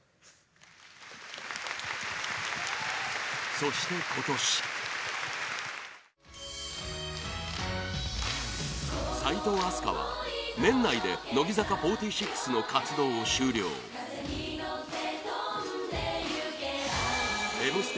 そして、今年齋藤飛鳥は年内で乃木坂４６の活動を終了「Ｍステ」